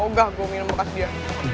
oga gue minum kasih dia